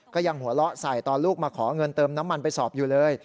ก็ยังหัวเราะใส่ตอนลูกมาขอเงินเติมน้ำมันไปสอบอยู่เลย